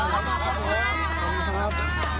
ขอบคุณค่ะ